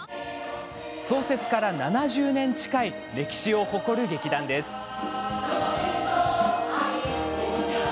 創設から７０年近い歴史を誇る劇団です。